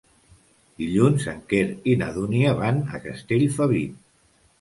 Dilluns en Quer i na Dúnia van a Castellfabib.